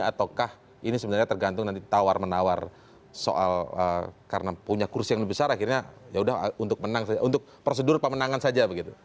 ataukah ini sebenarnya tergantung nanti tawar menawar soal karena punya kursi yang lebih besar akhirnya yaudah untuk prosedur pemenangan saja begitu